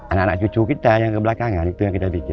anak anak cucu kita yang kebelakangan itu yang kita bikin